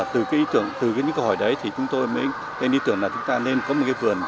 từ những câu hỏi đấy chúng tôi nên đi tưởng là chúng ta nên có một cây vườn